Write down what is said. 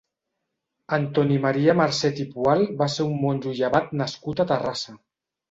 Antoni Maria Marcet i Poal va ser un monjo i abat nascut a Terrassa.